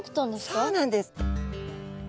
そうなんです！